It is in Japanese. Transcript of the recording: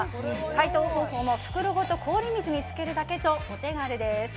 解凍方法も袋ごと氷水に浸けるだけとお手軽です。